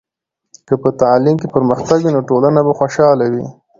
که په تعلیم کې پرمختګ وي، نو ټولنه به خوشحاله وي.